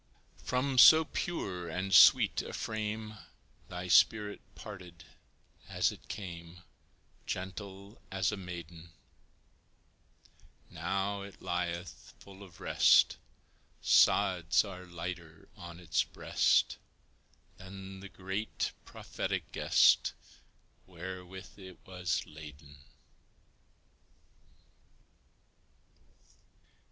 From so pure and sweet a frame Thy spirit parted as it came, Gentle as a maiden; Now it lieth full of rest Sods are lighter on its breast Than the great, prophetic guest Wherewith it was laden.